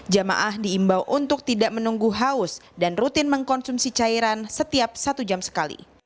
jamaah diimbau untuk tidak menunggu haus dan rutin mengkonsumsi cairan setiap satu jam sekali